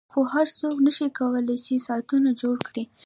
خو هر څوک نشي کولای چې ساعتونه جوړ کړي